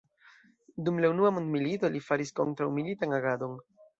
Dum la unua mondmilito, li faris kontraŭ-militan agadon.